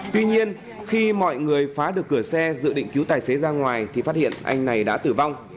tuy nhiên khi mọi người phá được cửa xe dự định cứu tài xế ra ngoài thì phát hiện anh này đã tử vong